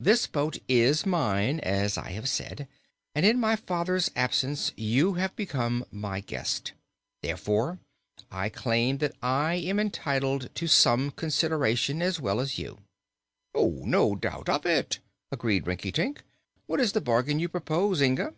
This boat is mine, as I have said, and in my father's absence you have become my guest; therefore I claim that I am entitled to some consideration, as well as you." "No doubt of it," agreed Rinkitink. "What is the bargain you propose, Inga?"